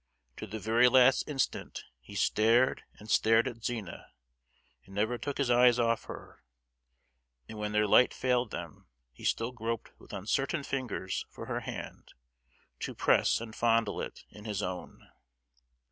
To the very last instant he stared and stared at Zina, and never took his eyes off her; and when their light failed them he still groped with uncertain fingers for her hand, to press and fondle it in his own!